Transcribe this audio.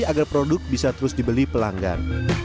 agar produk bisa terus dibeli pelanggan